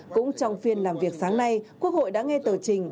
cũng trong phiên làm việc sáng nay quốc hội đã nghe tờ trình